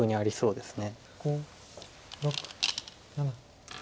そうですね